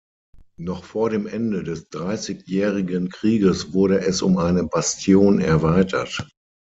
Noch vor dem Ende des Dreißigjährigen Krieges wurde es um eine Bastion erweitert.